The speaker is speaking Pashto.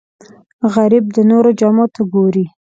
غریب د نورو جامو ته ګوري